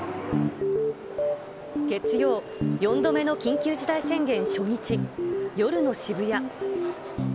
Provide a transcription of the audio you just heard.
月曜、４度目の緊急事態宣言初日、夜の渋谷。